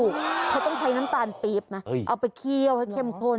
เขาต้องใช้น้ำตาลปี๊บนะเอาไปเคี่ยวให้เข้มข้น